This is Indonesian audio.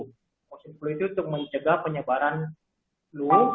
vaksin flu itu untuk mencegah penyebaran flu